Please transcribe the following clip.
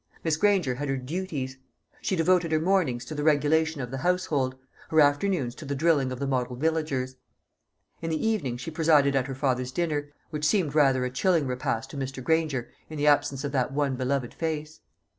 Miss Granger had her "duties." She devoted her mornings to the regulation of the household, her afternoons to the drilling of the model villagers. In the evening she presided at her father's dinner, which seemed rather a chilling repast to Mr. Granger, in the absence of that one beloved face.